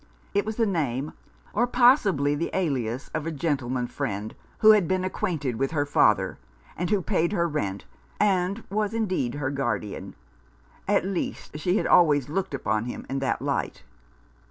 It was the name, or possibly the alias, of a gentleman friend who had been acquainted with her father, and who paid her rent, and was, indeed, her guardian ; at least, she had always looked upon him in that light.